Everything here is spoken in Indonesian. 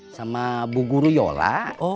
sama bu guru yola